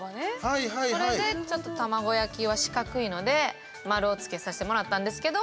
それで、ちょっと卵焼きは四角いので丸をつけさせてもらったんですけど。